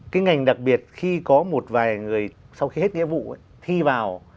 cái ngành đặc biệt khi có một vài người sau khi hết nghĩa vụ thi vào